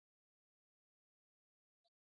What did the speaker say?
زه په حجره کې د مېلمنو سره ناست يم